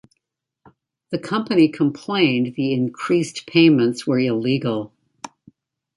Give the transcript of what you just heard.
The company complained the increased payments were illegal.